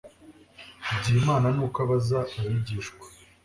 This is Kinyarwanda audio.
byimana nuko abaza abigishwa